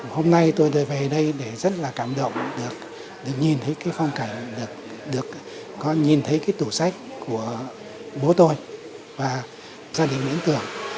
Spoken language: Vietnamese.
hôm nay tôi về đây để rất là cảm động được nhìn thấy cái phong cảnh được nhìn thấy cái tủ sách của bố tôi và gia đình nghĩnh tưởng